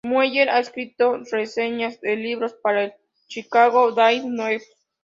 Mueller ha escrito reseñas de libros para el "Chicago Daily News".